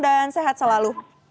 dan sehat selalu